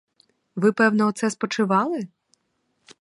Ви, певно, оце спочивали?